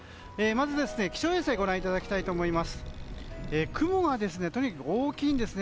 まず気象衛星をご覧いただきたいと思います。